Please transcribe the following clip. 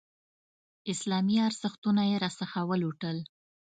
اسلامي ارزښتونه یې راڅخه ولوټل.